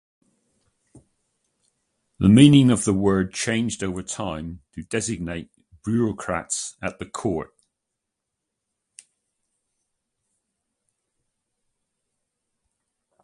The meaning of the word changed over time to designate bureaucrats at the court.